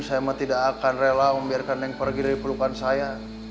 saya mah tidak akan rela membiarkan neng pergi dari perlukan saya